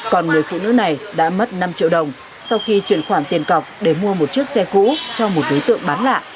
còn người phụ nữ này đã mất năm triệu đồng sau khi chuyển khoản tiền cọc để mua một chiếc xe cũ cho một đối tượng bán lạ